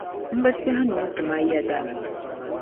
N bi tiɛhi ni o tima yɛda.